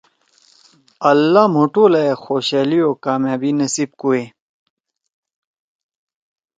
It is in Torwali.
اللہ مھو ٹوالائے خوشحألی او کامیابی نصیب کوئے.